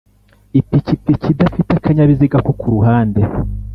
ipikipiki idafite akanyabiziga ko ku ruhande.